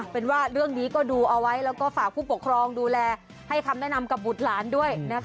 เป็นว่าเรื่องนี้ก็ดูเอาไว้แล้วก็ฝากผู้ปกครองดูแลให้คำแนะนำกับบุตรหลานด้วย